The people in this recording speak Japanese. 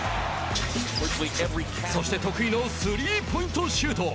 そして得意のスリーポイントシュート。